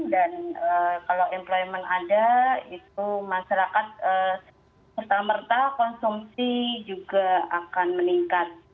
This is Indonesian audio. dan kalau employment ada itu masyarakat serta merta konsumsi juga akan lebih tingkat